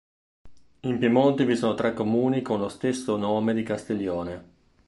In Piemonte vi sono tre comuni con lo stesso nome di Castiglione.